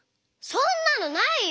そんなのないよ！